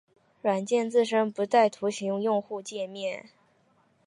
软件自身不带图形用户界面。